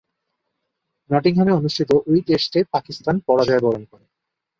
নটিংহামে অনুষ্ঠিত ঐ টেস্টে পাকিস্তান পরাজয়বরণ করে।